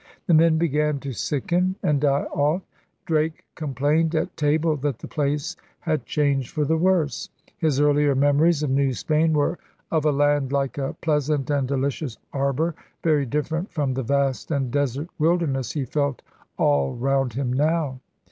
The men began to sicken and die off. Drake complained at table that the place had changed for the worse. His earlier memories of New Spain were of a land like a 'pleasant and delicious arbour' very different from the 'vast and desert wilderness' he felt all round him now.